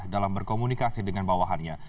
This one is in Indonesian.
dalam berkomunikasi dengan bawahannya